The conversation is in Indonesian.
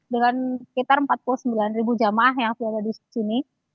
dengan sekitar empat puluh sembilan jamaah yang sudah ada disini